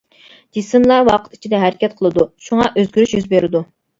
جىسىملار ۋاقىت ئىچىدە ھەرىكەت قىلىدۇ، شۇڭا ئۆزگىرىش يۈز بېرىدۇ.